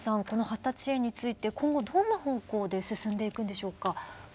この発達支援について今後どんな方向で進んでいくんでしょうか。